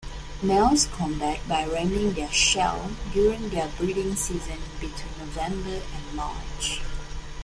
Males combat by ramming their shell during their breeding season between November and March.